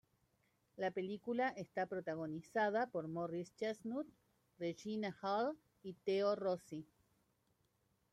La película está protagonizada por Morris Chestnut, Regina Hall y Theo Rossi.